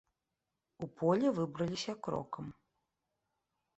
У поле выбраліся крокам.